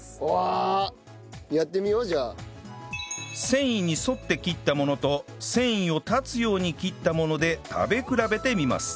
繊維に沿って切ったものと繊維を断つように切ったもので食べ比べてみます